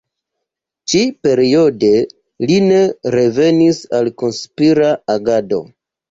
Ĉi-periode li ne revenis al konspira agado.